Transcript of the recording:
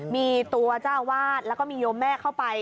มีตัวเจ้าอาวาสแล้วก็มีโยมแม่เข้าไป